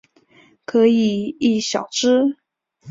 可以意晓之。